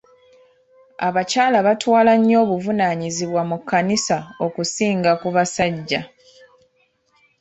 Abakyala batwala nnyo obuvunaanyizibwa mu kkanisa okusinga ku basajja.